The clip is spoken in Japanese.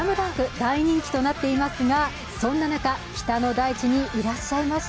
大人気となっていますがそんな中、北の大地にいらっしゃいました。